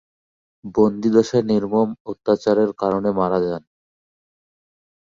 বন্দিদশায় নির্মম অত্যাচারের কারণে মারা যান।